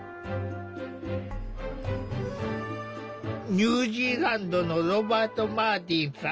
ニュージーランドのロバート・マーティンさん。